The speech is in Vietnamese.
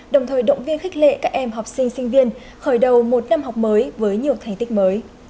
đồng thời động viên khích lệ các em học sinh sinh viên khởi đầu một năm học mới với nhiều thành tích mới